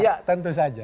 iya tentu saja